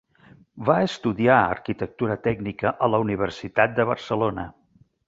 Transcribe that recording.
Va estudiar Arquitectura Tècnica a la Universitat de Barcelona.